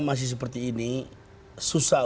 masih seperti ini susah